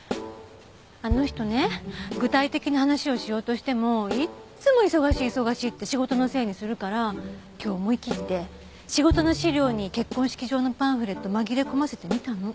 あの人ね具体的な話をしようとしてもいつも忙しい忙しいって仕事のせいにするから今日思い切って仕事の資料に結婚式場のパンフレット紛れ込ませてみたの。